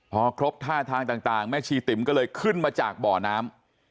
พอครบท่าทางต่างแม่ชีติ๋มก็เลยขึ้นมาจากบ่อน้ำ